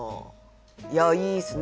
いやいいっすね。